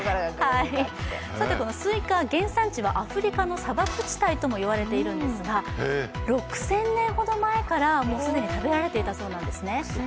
このスイカ、原産地はアフリカの砂漠地帯ともいわれてるんですが、６０００年ほど前から既に食べられていたそうなんですね。